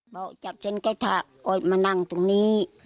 บอกจับฉันใกล้ถาออกมานั่งตรงนี้